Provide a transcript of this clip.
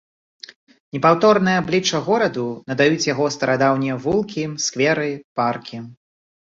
Непаўторнае аблічча гораду надаюць яго старадаўнія вулкі, скверы, паркі.